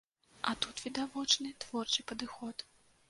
А тут відавочны творчы падыход.